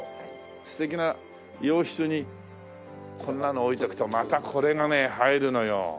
素敵な洋室にこんなの置いとくとまたこれがね映えるのよ。